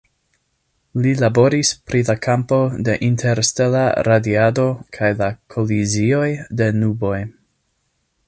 Li laboris pri la kampo de interstela radiado kaj la kolizioj de nuboj.